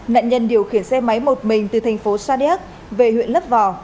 nạn nhân điều khiển xe máy một mình từ thành phố sa điếc về huyện lấp vò